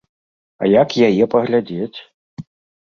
А як яе паглядзець?